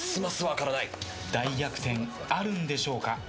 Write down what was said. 大逆転あるんでしょうか。